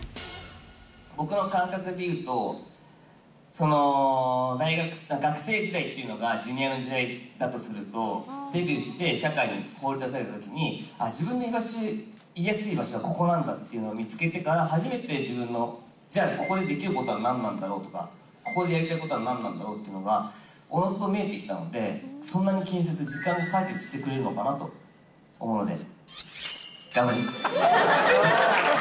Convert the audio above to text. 僕の感覚で言うと、学生時代というのが、ジュニアの時代だとすると、デビューして社会に放り出されたときに、自分のいやすい場所はここなんだっていうのを見つけてから、初めて、自分の、じゃあここでできることは何なんだろうとか、ここでやりたいことは何なんだろうっていうのが、おのずと見えてきたので、そんなに気にせずに、時間が解決してくれるものだなと思うので。